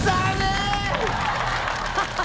ハハハハ。